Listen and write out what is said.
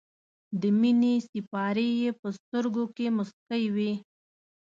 د مینې سېپارې یې په سترګو کې موسکۍ وې.